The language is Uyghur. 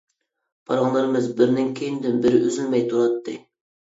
پاراڭلىرىمىز بىرىنىڭ كەينىدىن بىرى ئۈزۈلمەي تۇراتتى!